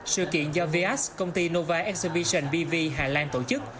sự kiện do vias công ty nova exhibition bv hà lan tổ chức